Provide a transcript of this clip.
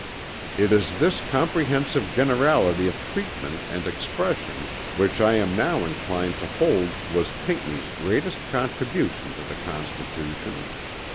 It is this comprehensive generality of treatment and expression which I am now inclined to hold was Pinckney's greatest contribution to the Constitution.